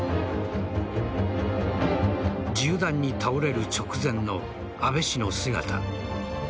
銃弾に倒れる直前の安倍氏の姿。